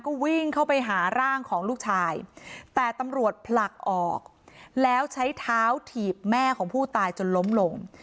ก็วิ่งเข้าไปหาร่างของลูกชายแต่ตำรวจผลักออกแล้วใช้เท้าถีบแม่ของผู้ตายจนล้มลง